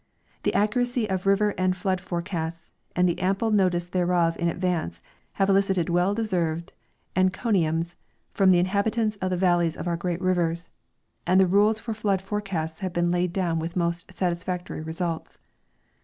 The accuracy of river and flood forecasts and the ample notice thereof in advance have elicited well deserved encomiums from the inhabitants of the valleys of our great rivers, and the rules for flood forecasts have been laid down with most satisfactory results.